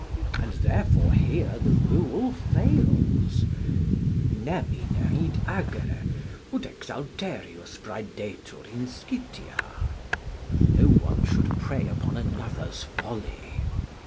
And therefore here the rule fails, "Neminem id agere ut ex alte rius praedetur inscitia." ["No one should preys upon another's folly."